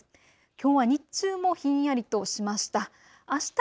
きょうは日中もひんやりとしました。